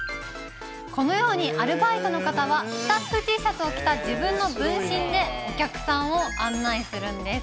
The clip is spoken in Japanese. このように、アルバイトの方はスタッフＴシャツを着た自分の分身でお客さんを案内するんです。